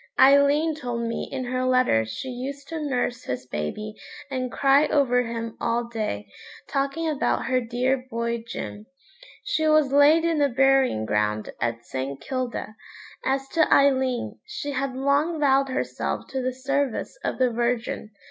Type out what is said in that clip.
Aileen told me in her letter she used to nurse his baby and cry over him all day, talking about her dear boy Jim. She was laid in the burying ground at St. Kilda. As to Aileen, she had long vowed herself to the service of the Virgin.